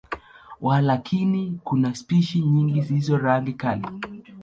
Walakini, kuna spishi nyingi zilizo rangi kali.